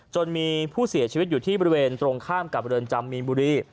จนมีผู้เสียชีวิตอยู่ที่บริเวณตรงข้ามกับเรือนจำมีนบุรี